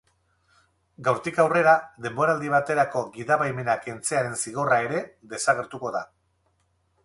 Gaurtik aurrera denboraldi baterako gidabaimena kentzearen zigorra ere desagertuko da.